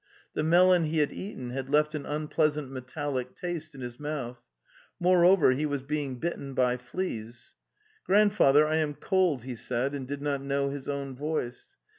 The melon he had eaten had left an unpleasant metallic taste in his mouth. Moreover he was being bitten by fleas. "Grandfather, I am cold," heesaid, and did not know his own voice.